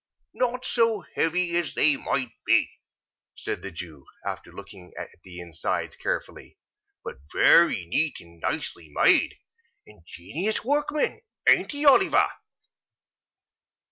"Not so heavy as they might be," said the Jew, after looking at the insides carefully; "but very neat and nicely made. Ingenious workman, ain't he, Oliver?"